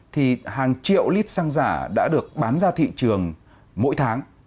thì hàng triệu lít xăng giả đã được bán ra thị trường mỗi tháng